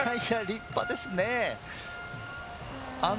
立派ですね。